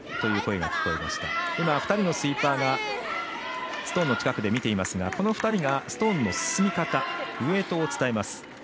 ２人のスイーパーがストーンの近くで見ていますがこの２人がストーンの進み方ウエイトを伝えます。